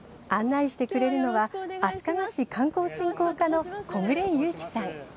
案内してくれるのは、足利市観光振興課の小暮勇気さん。